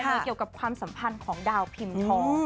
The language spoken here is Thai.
มีเกี่ยวกับความสัมพันธ์ของดาวพิมพ์ทอง